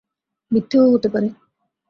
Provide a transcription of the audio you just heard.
মিথ্যেও হতে পারে?